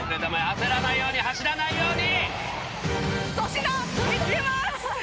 焦らないように走らないように！